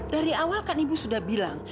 dari awal kan ibu sudah bilang